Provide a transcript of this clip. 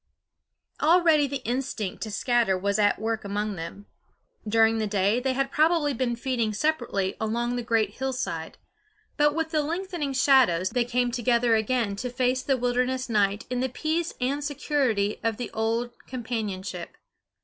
Already the instinct to scatter was at work among them. During the day they had probably been feeding separately along the great hillside; but with lengthening shadows they came together again to face the wilderness night in the peace and security of the old companionship.